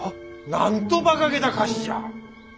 なんとバカげた菓子じゃ！